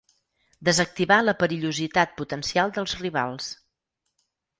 Desactivar la perillositat potencial dels rivals.